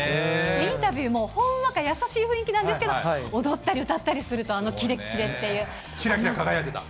インタビューもほんわか優しい雰囲気なんですけど、踊ったり歌ったりすると、あのきれっきれってきらきら輝いてた？